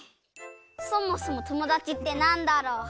そもそもともだちってなんだろう？